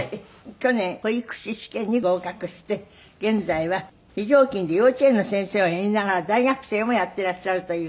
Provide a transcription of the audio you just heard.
去年保育士試験に合格して現在は非常勤で幼稚園の先生をやりながら大学生もやっていらっしゃるという。